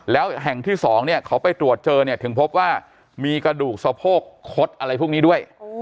แล้วแห่งที่๒เนี่ยเขาไปตรวจเจอเนี่ยถึงพบว่ามีกระดูกสะโพกคดอะไรพวกนี้ด้วย